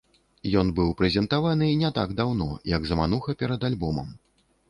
Ён быў прэзентаваны не так даўно, як замануха перад альбомам.